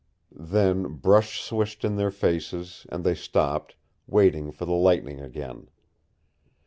Then brush swished in their faces, and they stopped, waiting for the lightning again.